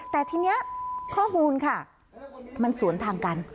แต่ทีนี้ข้อมูลค่ะมันสวนทางกัน